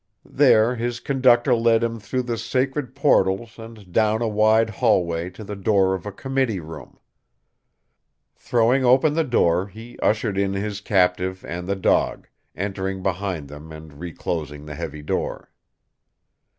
There his conductor led him through the sacred portals and down a wide hallway to the door of a committee room. Throwing open the door, he ushered in his captive and the dog, entering behind them and reclosing the heavy door.